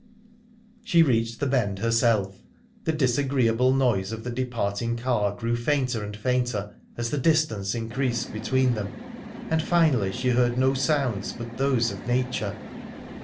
She reached the bend herself. The disagreeable noise of the departing car grew fainter and fainter as the distance increased between them, until finally she heard no sounds but those of nature.